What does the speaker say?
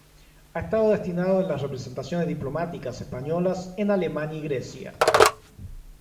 Ha estado destinado en las representaciones diplomáticas españolas en Alemania y Grecia.